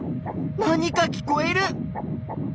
何か聞こえる！